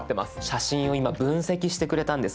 写真を今分析してくれたんです。